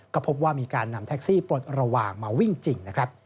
ก็พบว่ามีการนำแท็กซี่ปลดระหว่างมาวิ่งจริงนะครับ